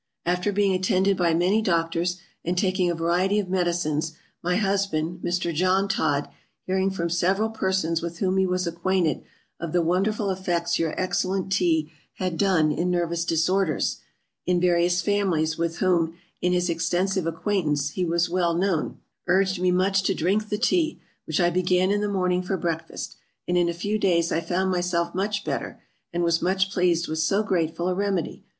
After being attended by many Doctors, and taking a variety of Medicines, my husband, Mr. JOHN TOD, hearing from several persons with whom he was acquainted, of the wonderful effects your excellent Tea had done in nervous disorders, in various Families with whom, in his extensive acquaintance, he was well known, urged me much to drink the Tea; which I began in the Morning for breakfast, and in a few days I found myself much better, and was much pleased with so grateful a remedy.